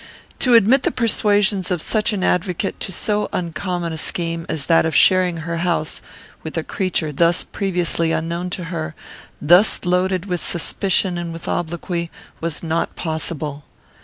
To admit the persuasions of such an advocate to so uncommon a scheme as that of sharing her house with a creature thus previously unknown to her, thus loaded with suspicion and with obloquy, was not possible.